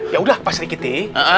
ya udah pak srikiti